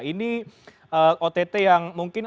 ini ott yang mungkin